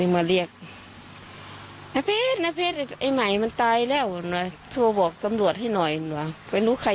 ไม่เคยสนใจมันเป็นแบบชิ้นไปแล้ว